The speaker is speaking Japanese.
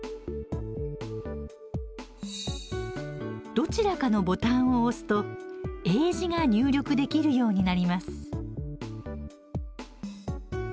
どちらかのボタンを押すと英字が入力できるようになります。